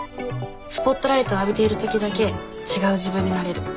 スポットライトを浴びている時だけ違う自分になれる。